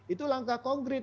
itu langkah konkret